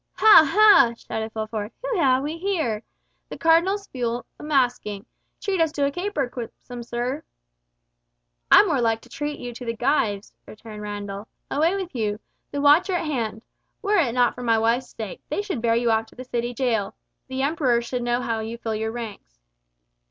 "Ha! ha!" shouted Fulford, "whom have we here? The Cardinal's fool a masquing! Treat us to a caper, quipsome sir?" "I'm more like to treat you to the gyves," returned Randall. "Away with you! The watch are at hand. Were it not for my wife's sake, they should bear you off to the city jail; the Emperor should know how you fill your ranks."